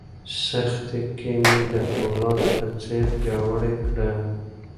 سختۍ مې د فولاد په څېر پیاوړی کړم.